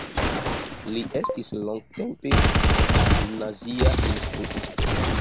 Li estis longtempe gimnazia instruisto.